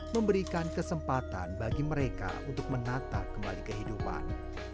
memberikan kesempatan bagi mereka untuk menata kembali kehidupan